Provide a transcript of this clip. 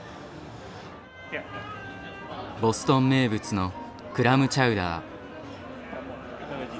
ボストン名物のクラムチャウダー。